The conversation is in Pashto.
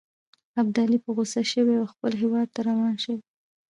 ابدالي په غوسه شوی او خپل هیواد ته روان شوی.